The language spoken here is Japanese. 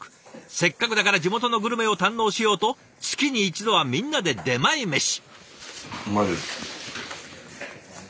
せっかくだから地元のグルメを堪能しようと月に１度はみんなで出前メシ。